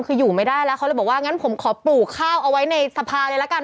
คืออยู่ไม่ได้แล้วเขาเลยบอกว่างั้นผมขอปลูกข้าวเอาไว้ในสภาเลยละกัน